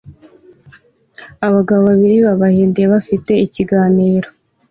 Abagabo babiri b'Abahinde bafite ikiganiro